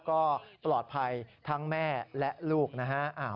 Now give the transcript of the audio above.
ก็ปลอดภัยทั้งแม่และลูกนะฮะ